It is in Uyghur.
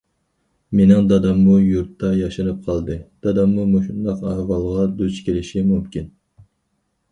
مېنىڭ داداممۇ يۇرتتا ياشىنىپ قالدى، داداممۇ مۇشۇنداق ئەھۋالغا دۇچ كېلىشى مۇمكىن.